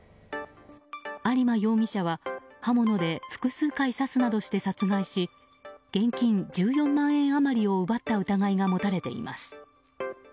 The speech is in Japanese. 有馬容疑者は刃物で複数回刺すなどして殺害し現金１４万円余りを奪った疑いが持たれています。